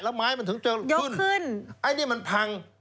แล้วไม้มันถึงจะขึ้นขึ้นไอ้นี่มันพัง